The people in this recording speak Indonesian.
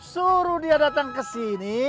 suruh dia datang ke sini